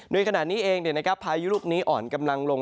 โดยขณะนี้เองพายุลูกนี้อ่อนกำลังลง